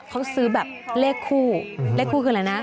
เขาซื้อแบบเลขคู่เลขคู่คืออะไรนะ